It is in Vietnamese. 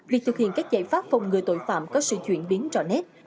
việc thực hiện các giải pháp phòng ngừa tội phạm có sự chuyển biến rõ nét